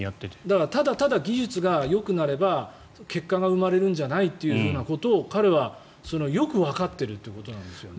だからただただ技術がよくなれば結果が生まれるんじゃないということを彼はよくわかっているということですよね。